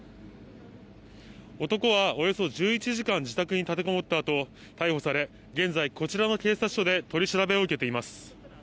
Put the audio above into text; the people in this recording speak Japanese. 男はおよそ１１時間自宅に立てこもったあと逮捕され、現在こちらの警察署で取り調べを受けています。